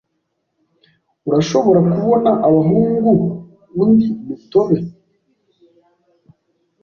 Urashobora kubona abahungu undi mutobe?